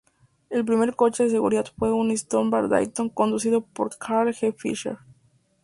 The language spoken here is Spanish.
El primer coche de seguridad fue un Stoddard-Dayton conducido por Carl G. Fisher.